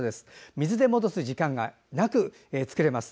水で戻す時間がなく作れます。